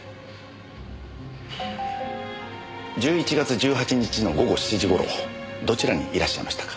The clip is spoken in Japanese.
１１月１８日の午後７時頃どちらにいらっしゃいましたか？